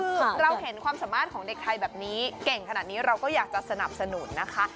คือเราเห็นความสามารถของเด็กไทยแบบนี้เก่งขนาดนี้เราก็อยากจะสนับสนุนนะคะ